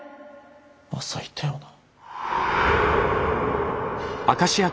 朝いたよな。